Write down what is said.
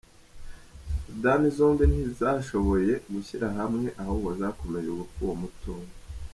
Sudani zombi ntizashoboye gushyira hamwe ahubwo zakomeje gupfa uwo mutungo .